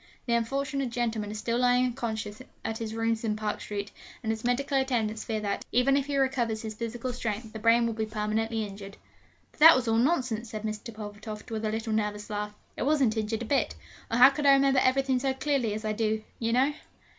The unfortunate gentleman is still lying unconscious at his rooms in Park Street; and his medical attendants fear that, even if he recovers his physical strength, the brain will be permanently injured.' 'But that was all nonsense!' said Mr. Pulvertoft, with a little nervous laugh, 'it wasn't injured a bit, or how could I remember everything so clearly as I do, you know?'